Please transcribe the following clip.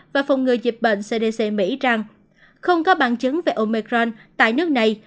và phòng ngừa dịch bệnh cdc mỹ rằng không có bằng chứng về omecron tại nước này